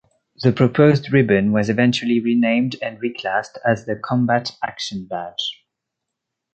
The proposed ribbon was eventually renamed and reclassed as the Combat Action Badge.